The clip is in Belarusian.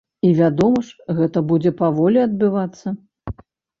І, вядома ж, гэта будзе паволі адбывацца.